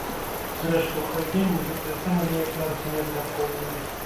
Зрэшты, у той дзень мы гэтую тэму неяк нават і не абмяркоўвалі.